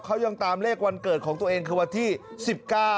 เขายังตามเลขวันเกิดของตัวเองคือวันที่๑๙